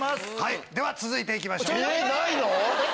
では続いて行きましょう。